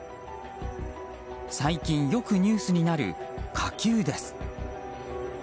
最近よくニュースになる火球です。